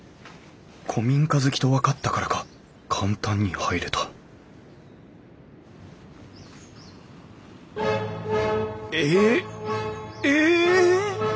古民家好きと分かったからか簡単に入れたえええ！？